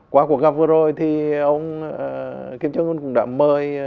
qua cuộc gặp vừa rồi thì ông kim jong un cũng đã mời